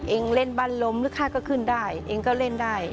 เองเล่นบ้านล้มหรือข้าก็ขึ้นได้เองก็เล่นได้